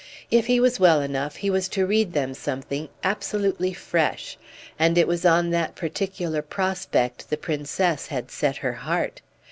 If he was well enough he was to read them something absolutely fresh, and it was on that particular prospect the Princess had set her heart.